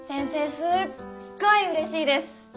すっごいうれしいです。